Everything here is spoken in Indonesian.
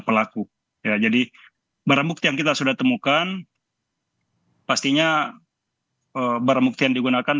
pelaku ya jadi barang bukti yang kita sudah temukan pastinya barang bukti yang digunakan